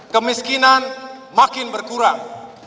kemiskinan makin berkurang